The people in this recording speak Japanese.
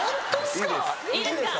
いいですか？